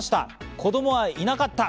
子どもはいなかった。